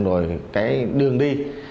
rồi cái đường đi